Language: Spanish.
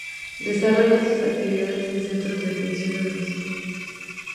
Desarrollan sus actividades en sus centros de atención o domicilio.